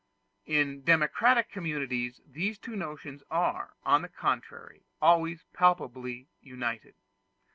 In democratic communities these two notions are, on the contrary, always palpably united.